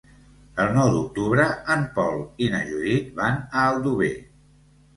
El nou d'octubre en Pol i na Judit van a Aldover.